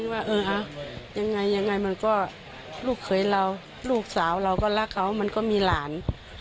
ว่าเออยังไงยังไงมันก็ลูกเขยเราลูกสาวเราก็รักเขามันก็มีหลาน